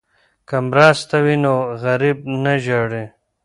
که مرسته وي نو غریب نه ژاړي.